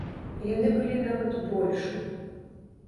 Яны былі нават большым.